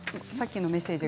さっきのメッセージ